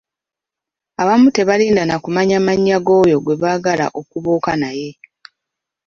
Abamu tebalinda na kumanya mannya g’oyo gwe baagala okubuuka naye.